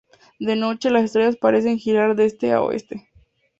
De noche, las estrellas parecen girar de este a oeste.